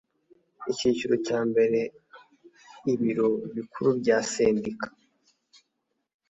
Icyiciro cya mbere Ibiro Bikuru bya sendika